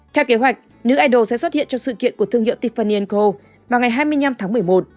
theo kế hoạch nữ idol sẽ xuất hiện trong sự kiện của thương hiệu tifonienco vào ngày hai mươi năm tháng một mươi một